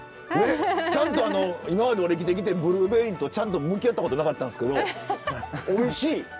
ちゃんとあの今まで俺生きてきてブルーベリーとちゃんと向き合ったことなかったんですけどおいしい！